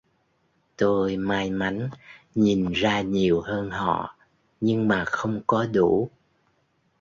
tôi may mắn nhìn ra nhiều hơn họ nhưng mà không có đủ